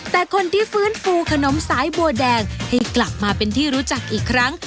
แต่คนที่ฟื้นฟูขนมสายบัวแดงให้กลับมาเป็นที่รู้จักอีกครั้ง